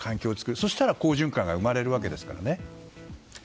そうしたら好循環が生まれるわけですからね。